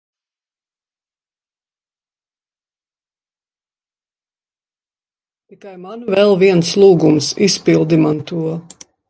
Tikai man vēl viens lūgums. Izpildi man to.